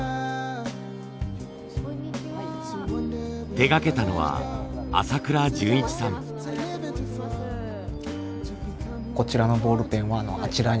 手がけたのはこちらのボールペンはあちらにあります